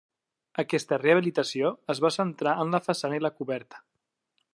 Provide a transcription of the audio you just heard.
Aquesta rehabilitació es va centrar en la façana i la coberta.